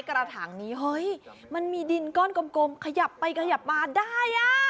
กระถางนี้เฮ้ยมันมีดินก้อนกลมขยับไปขยับมาได้อ่ะ